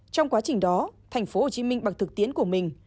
trong quá trình đó thành phố hồ chí minh bằng thực tiễn của mình